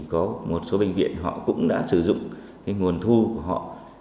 có một số bệnh viện họ cũng đã sử dụng cái nguồn thu của họ